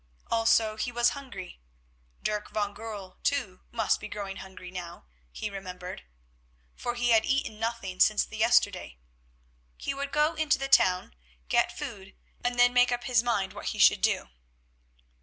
Also he was hungry (Dirk van Goorl, too, must be growing hungry now, he remembered), for he had eaten nothing since the yesterday. He would go into the town, get food, and then make up his mind what he should do.